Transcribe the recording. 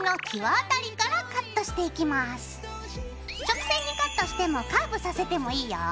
直線にカットしてもカーブさせてもいいよ。